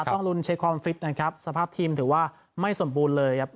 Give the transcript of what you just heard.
ต้องลุ้นเช็คความฟิตนะครับสภาพทีมถือว่าไม่สมบูรณ์เลยครับ